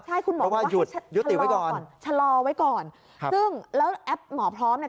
เพราะว่าหยุดหยุดอยู่ไว้ก่อนชะลอไว้ก่อนซึ่งแล้วแอปหมอพร้อมเนี่ย